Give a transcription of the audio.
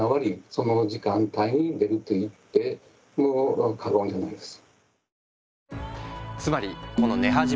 その時間帯に出ると言っても過言じゃないです。